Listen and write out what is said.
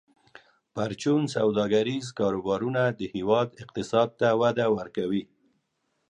پرچون سوداګریز کاروبارونه د هیواد اقتصاد ته وده ورکوي.